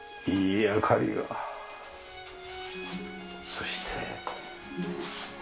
そして。